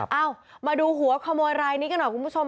เอ้ามาดูหัวขโมยรายนี้กันหน่อยคุณผู้ชม